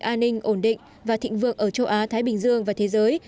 an ninh ổn định và thịnh vượng ở châu á thái bình dương và thế giới